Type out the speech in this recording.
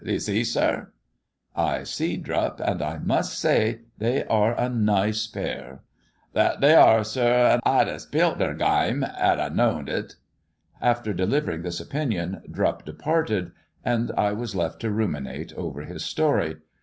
D'y' see, sir 1 "I see, Drupp, and I must say they are a nice pair." Thet th'y are, sir. I'd 'a spilt their gaime 'ad I know'd it." After delivering this opinion Drupp departed and I was left to ruminate over his story.